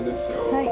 はい。